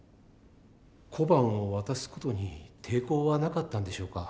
小判を渡す事に抵抗はなかったんでしょうか？